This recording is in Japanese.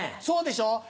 そうでしょ？